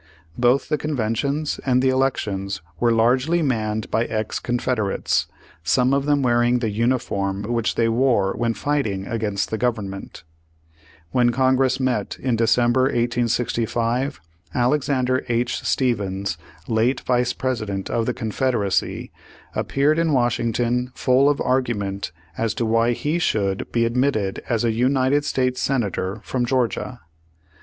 Both the conventions and the elections were largely manned by ex Confederates, some of them wear ing the uniform which they wore when fighting against the Government. When Congress met in December, 1865, Alex ander H. Stephens, late Vice President of the Page One Hundred fifty eight Confederacy, appeared in Washington full of ar gument as to why he should be admitted as a United States Senator from Georgia.